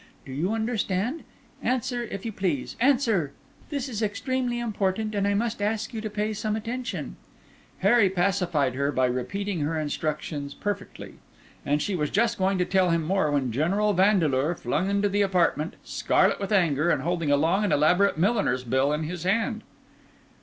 Do you understand? Answer, if you please—answer! This is extremely important, and I must ask you to pay some attention." Harry pacified her by repeating her instructions perfectly; and she was just going to tell him more when General Vandeleur flung into the apartment, scarlet with anger, and holding a long and elaborate milliner's bill in his hand.